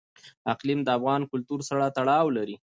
اقلیم د افغان کلتور سره تړاو لري.